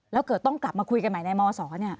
แล้วเกิดต้องกลับมาคุยกันใหม่ในมศ